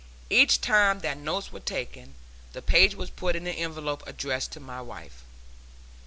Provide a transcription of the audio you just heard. Each time that notes were taken, the page was put in an envelope addressed to my wife.